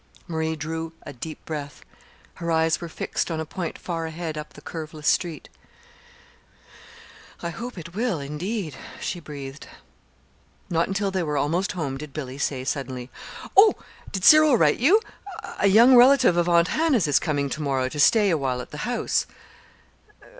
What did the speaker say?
Marie drew a deep breath. Her eyes were fixed on a point far ahead up the curveless street. "I hope it will, indeed!" she breathed. Not until they were almost home did Billy say suddenly: "Oh, did Cyril write you? A young relative of Aunt Hannah's is coming to morrow to stay a while at the house."